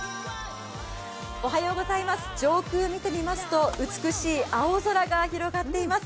上空見てみますと美しい青空が広がっています。